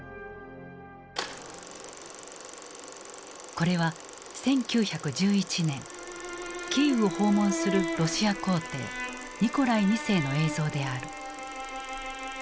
これは１９１１年キーウを訪問するロシア皇帝ニコライ２世の映像である。